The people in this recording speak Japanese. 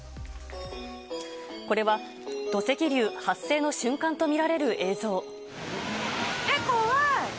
これは、土石流発生の瞬間と見らえっ、怖い！